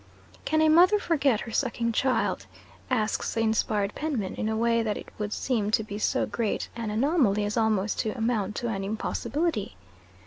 "Can a mother forget her sucking child?" asks the inspired penman, in a way that it would seem to be so great an anomaly as almost to amount to an impossibility.